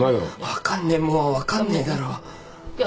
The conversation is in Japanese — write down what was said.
分かんねえもんは分かんねえだろ。